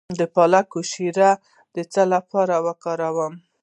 د پالک شیره د څه لپاره وکاروم؟